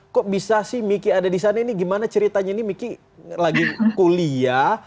kok bisa sih miki ada di sana ini gimana ceritanya ini miki lagi kuliah